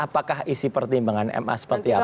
pertimbangan ma seperti apa